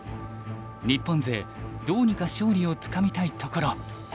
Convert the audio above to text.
日本勢どうにか勝利をつかみたいところ。